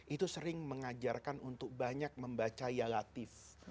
itu sering mengajarkan untuk banyak membaca ya latif